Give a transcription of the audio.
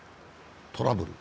トラブル。